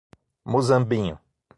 Muzambinho